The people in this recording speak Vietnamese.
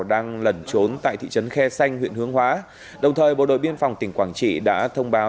đang lẩn trốn tại thị trấn khe xanh huyện hướng hóa đồng thời bộ đội biên phòng tỉnh quảng trị đã thông báo